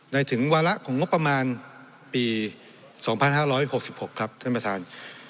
ถึงวาระของงบประมาณปี๒๕๖๖ครับท่านประธาน